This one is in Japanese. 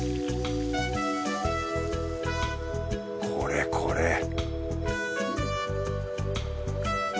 これこれ